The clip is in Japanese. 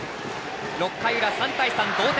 ６回裏、３対３同点。